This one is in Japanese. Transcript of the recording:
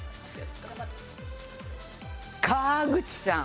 川口さん。